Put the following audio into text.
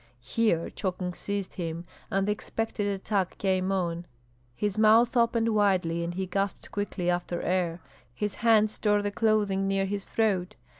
Here choking seized him, and the expected attack came on. His mouth opened widely, and he gasped quickly after air; his hands tore the clothing near his throat.